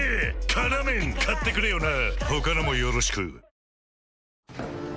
「辛麺」買ってくれよな！